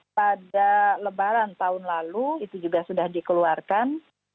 pada lebaran tahun lalu itu juga sudah dikeluarkan